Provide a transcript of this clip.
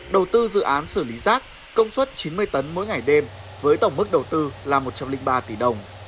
đầu tư dự án xử lý rác công suất chín mươi tấn mỗi ngày đêm với tổng mức đầu tư là một trăm linh ba tỷ đồng